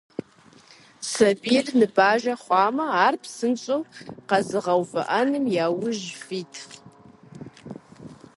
Сабийр ныбажэ хъуамэ, ар псынщӀэу къэзэрывгъэувыӀэным яужь фит.